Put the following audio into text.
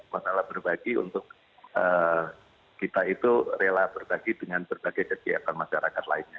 masalah berbagi untuk kita itu rela berbagi dengan berbagai kegiatan masyarakat lainnya